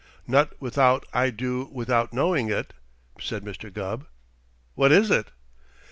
"Not without I do without knowing it," said Mr. Gubb. "What is it?"